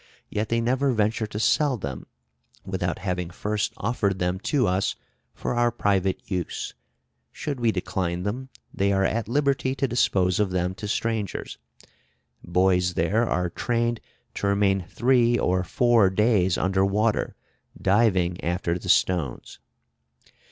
Yet they never venture to sell them without having first offered them to us for our private use: should we decline them, they are at liberty to dispose of them to strangers. Boys there are trained to remain three or four days under water, diving after the stones.